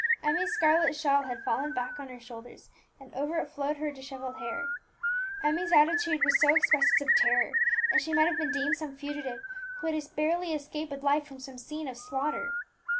Emmie's scarlet shawl had fallen back on her shoulders, and over it flowed her dishevelled hair. Emmie's attitude was so expressive of terror, that she might have been deemed some fugitive who had barely escaped with life from some scene of slaughter.